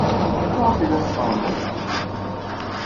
Maɣef ay la teqqarem aya?